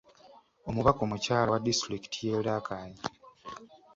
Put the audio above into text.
Omubaka omukyala owa Disitulikiti y'e Rakai